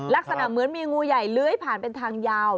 ลักษณะเหมือนมีงูใหญ่เลื้อยผ่านเป็นทางยาว